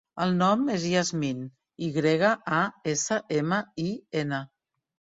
El nom és Yasmin: i grega, a, essa, ema, i, ena.